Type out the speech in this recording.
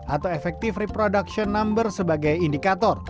atau effective reproduction number sebagai indikator